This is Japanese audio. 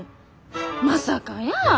まさかやー。